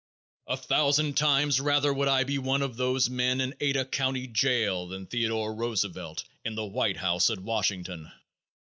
_ A thousand times rather would I be one of those men in Ada county jail than Theodore Roosevelt in the White House at Washington.